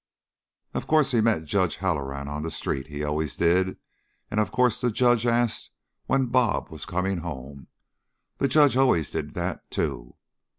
Of course he met Judge Halloran on the street he always did and of course the judge asked when "Bob" was coming home. The judge always did that, too.